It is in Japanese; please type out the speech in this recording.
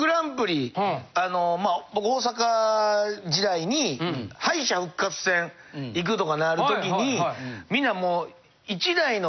僕大阪時代に敗者復活戦行くとかなるときにみんなもう。